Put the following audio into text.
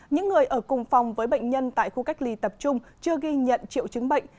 những người ở cùng phòng với bệnh nhân tại khu cách ly tập trung chưa ghi nhận triệu chứng bệnh